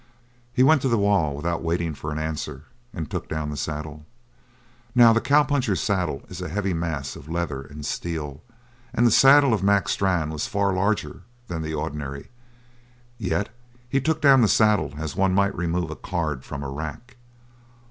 He went to the wall without waiting for an answer and took down the saddle. Now the cowpuncher's saddle is a heavy mass of leather and steel, and the saddle of Mac Strann was far larger than the ordinary. Yet he took down the saddle as one might remove a card from a rack.